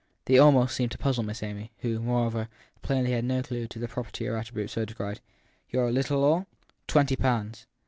The almost seemed to puzzle Miss Amy, who, moreover, had plainly no clue to the property or attribute so described. < Your " little all "? Twenty pounds.